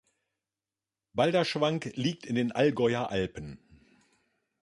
Balderschwang liegt in den Allgäuer Alpen.